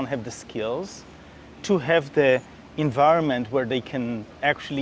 untuk memiliki alam di mana mereka bisa mencari kemampuan itu